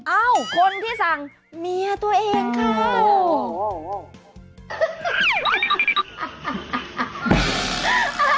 เอ้าคนที่สั่งเมียตัวเองเข้า